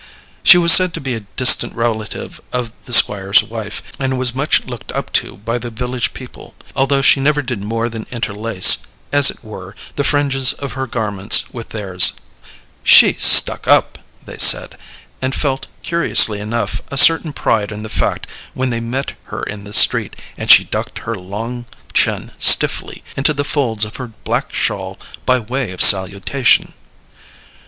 She was said to be a distant relative of the Squire's wife, and was much looked up to by the village people, although she never did more than interlace, as it were, the fringes of her garments with theirs. "She's stuck up," they said, and felt, curiously enough, a certain pride in the fact when they met her in the street and she ducked her long chin stiffly into the folds of her black shawl by way of salutation.